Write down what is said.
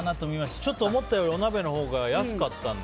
ちょっと思ったよりお鍋のほうが安かったので。